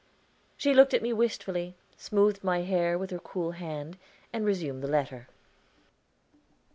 She looked at me wistfully, smoothed my hair with her cool hand, and resumed the letter.